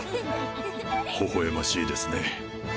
ほほ笑ましいですね。